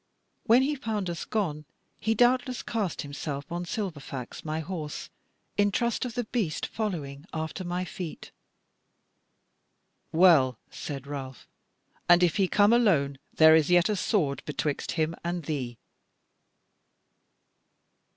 When he found us gone he doubtless cast himself on Silverfax, my horse, in trust of the beast following after my feet." "Well," said Ralph, "and if he come alone, there is yet a sword betwixt him and thee."